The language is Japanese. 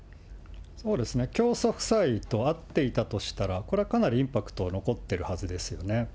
そうですね、教祖夫妻と会っていたとしたら、これはかなりインパクト、残ってるはずですよね。